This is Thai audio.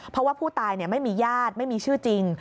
เพราะว่าผู้ตายไม่มีญาติไม่มีชื่อจริง